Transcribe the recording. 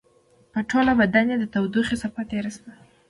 په ټول بدن يې د تودوخې څپه تېره شوه.